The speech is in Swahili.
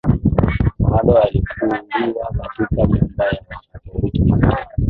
Ronaldo alikulia katika nyumba ya wakatoliki maskini